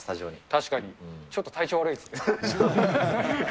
確かに、ちょっと体調悪いですね。